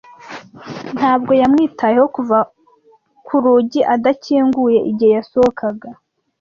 Ntabwo yamwitayeho kuva ku rugi adakinguye igihe yasohokaga.